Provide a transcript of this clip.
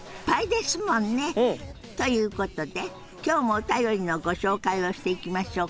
うん！ということで今日もお便りのご紹介をしていきましょうか。